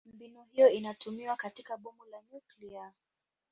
Mbinu hiyo inatumiwa katika bomu la nyuklia.